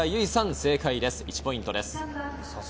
正解、１ポイントです。